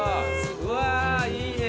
うわいいね。